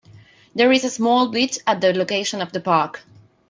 There is a small beach at the location of the park.